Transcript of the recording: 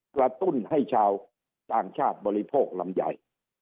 กระตุ้นให้ชาวต่างชาติบริโภคลำใหญ่